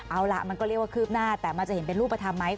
เอาล่ะมันก็เรียกว่าคืบหน้าแต่มันจะเห็นเป็นรูปธรรมไหม